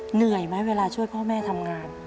เหนื่อยไหมเวลาช่วยพ่อแม่ทำงาน